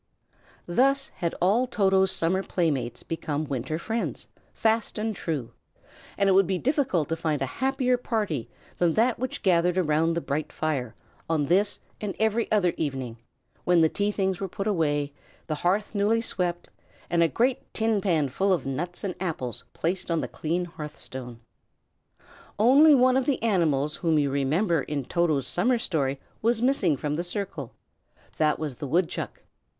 Thus had all Toto's summer playmates become winter friends, fast and true; and it would be difficult to find a happier party than that which gathered round the bright fire, on this and every other evening, when the tea things were put away, the hearth newly swept, and a great tin pan full of nuts and apples placed on the clean hearth stone. Only one of the animals whom you remember in Toto's summer story was missing from the circle; that was the woodchuck.